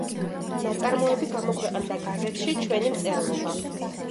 ნაწარმოებები გამოქვეყნდა გაზეთში ჩვენი მწერლობა.